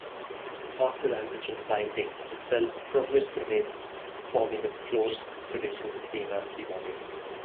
After antigen binding the cell proliferates, forming a clone producing the same antibody.